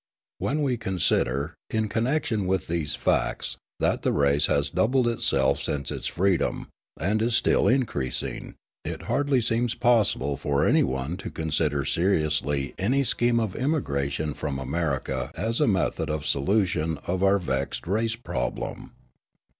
When we consider, in connection with these facts, that the race has doubled itself since its freedom, and is still increasing, it hardly seems possible for any one to consider seriously any scheme of emigration from America as a method of solution of our vexed race problem.